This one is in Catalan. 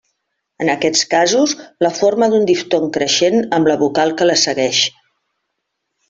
En aquests casos, la forma un diftong creixent amb la vocal que la segueix.